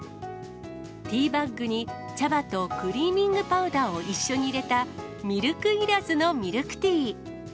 ティーバッグに茶葉とクリーミングパウダーを一緒に入れた、ミルクいらずのミルクティー。